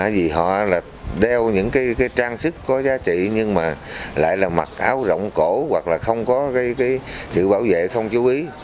vì họ đeo những trang sức có giá trị nhưng lại mặc áo rộng cổ hoặc không có sự bảo vệ không chú ý